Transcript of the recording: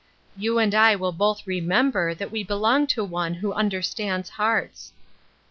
You and I will both remember that we be long to One who understands hearts."